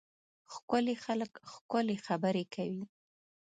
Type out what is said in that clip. ښکلي خلک ښکلې خبرې کوي.